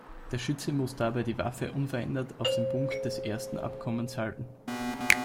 Der Schütze muss dabei die Waffe unverändert auf den Punkt des ersten Abkommens halten.